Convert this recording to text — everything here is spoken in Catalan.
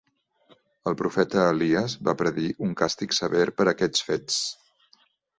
El profeta Elies va predir un càstig sever per aquests fets.